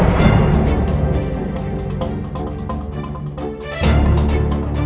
ntar masih masuk ke rumah satu